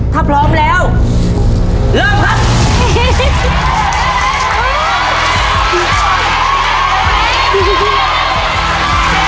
ถ้าพร้อมแล้วเริ่มครับ